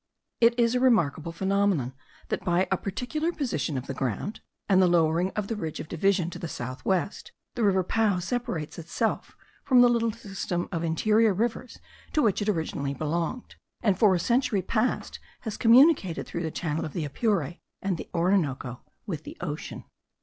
It is a remarkable phenomenon, that by a particular position of the ground, and the lowering of the ridge of division to south west, the Rio Pao separates itself from the little system of interior rivers to which it originally belonged, and for a century past has communicated, through the channel of the Apure and the Orinoco, with the ocean.